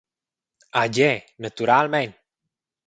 Ah gie, naturalmein.